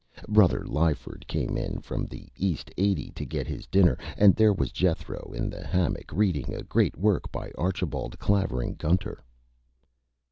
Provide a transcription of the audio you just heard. Brother Lyford came in from the East Eighty to get his Dinner, and there was Jethro in the Hammock reading a Great Work by Archibald Clavering Gunter.